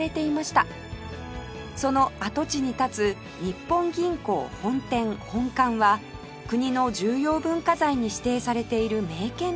その跡地に立つ日本銀行本店本館は国の重要文化財に指定されている名建築